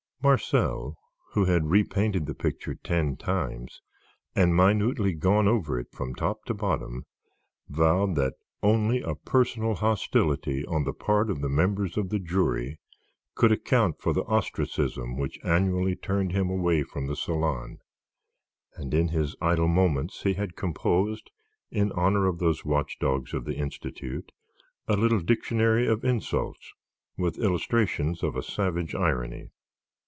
Marcel, who had repainted the picture ten times, and minutely gone over it from top to bottom, vowed that only a personal hostility on the part of the members of the jury could account for the ostracism which annually turned him away from the Salon, and in his idle moments he had composed, in honor of those watch dogs of the Institute, a little dictionary of insults, with illustrations of a savage irony.